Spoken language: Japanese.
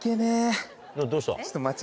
どうした？